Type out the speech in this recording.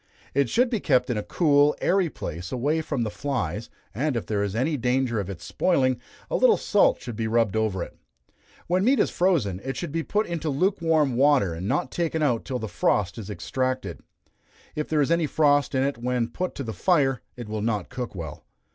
It should be kept in a cool, airy place, away from the flies, and if there is any danger of its spoiling, a little salt should be rubbed over it. When meat is frozen, it should be put into lukewarm water, and not taken out till the frost is extracted. If there is any frost in it when put to the fire, it will not cook well.